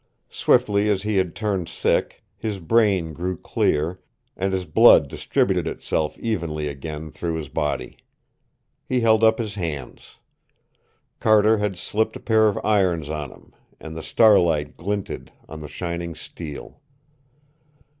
Swiftly as he had turned sick, his brain grew clear, and his blood distributed itself evenly again through his body. He held up his hands. Carter had slipped a pair of irons on him, and the starlight glinted on the shining steel.